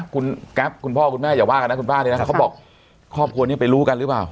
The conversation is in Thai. กราฟคุณพ่อคุณแม่อย่าว่ากันนะคุณบ้านเขาบอกครอบครัวนี้ไปรู้กันหรือเปล่า